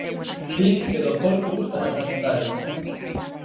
Din que do porco gustan ata os andares.